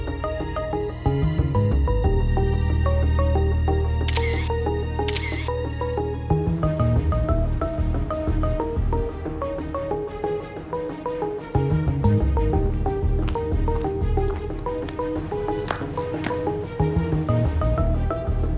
aku mau ke rumah